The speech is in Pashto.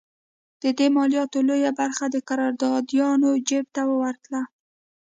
د دې مالیاتو لویه برخه د قراردادیانو جېب ته ورتله.